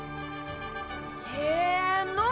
せの！